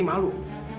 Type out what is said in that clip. kenapa gue mau disini